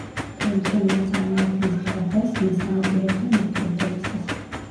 თავმჯდომარე წარმოადგენს „დარბაზს“ მესამე პირებთან ურთიერთობისას.